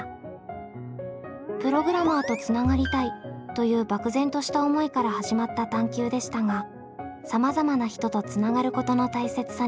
「プログラマーとつながりたい」という漠然とした思いから始まった探究でしたがさまざまな人とつながることの大切さに気付き